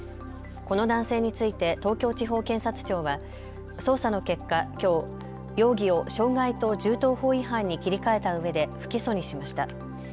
この男性について東京地方検察庁は捜査の結果、きょう容疑を傷害と銃刀法違反に切り替えたうえで不起訴にしました。